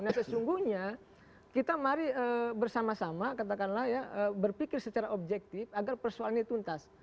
nah sesungguhnya kita mari bersama sama katakanlah ya berpikir secara objektif agar persoalan ini tuntas